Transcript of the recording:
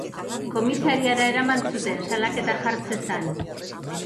Komisariara eraman zuten, salaketa jar zezan.